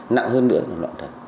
nặng hơn nữa là loạn thần